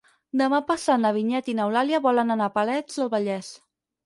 Demà passat na Vinyet i n'Eulàlia volen anar a Parets del Vallès.